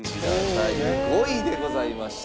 第５位でございました。